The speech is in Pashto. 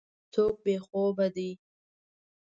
څوک بې خوبه دی.